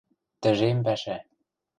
Тӹжем пӓшӓ...